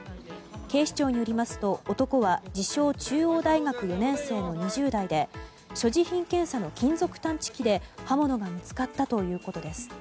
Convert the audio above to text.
警視庁によりますと男は自称、中央大学４年生の２０代で所持品検査の金属探知機で刃物が見つかったということです。